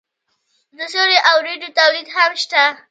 د سرې او وریجو تولید هم شته.